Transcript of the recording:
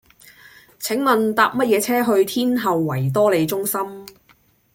請問搭乜嘢車去天后維多利中心